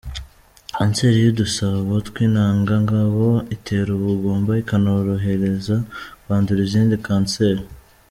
Kanseri y’udusabo tw’intanga ngabo itera ubugumba ikanorohereza kwandura izindi kanseri